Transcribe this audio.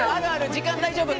時間大丈夫。